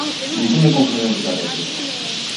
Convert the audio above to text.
De ce ne confruntăm cu toate acestea?